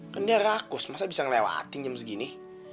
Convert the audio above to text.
kan dia rakus masa bisa ngelewatin jam segini